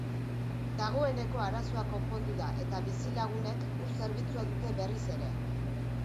Dagoeneko arazoa konpondu da eta bizilagunek ur-zerbitzua dute berriz ere.